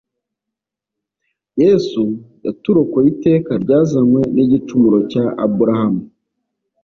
Yesu yaturokoye iteka ryazanywe n igicumuro cya aburahamu